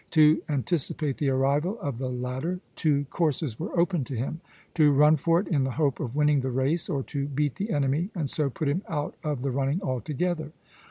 To anticipate the arrival of the latter, two courses were open to him, to run for it in the hope of winning the race, or to beat the enemy and so put him out of the running altogether.